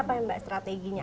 seperti apa mbak strateginya